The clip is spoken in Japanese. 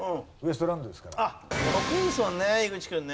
得意ですもんね井口君ね。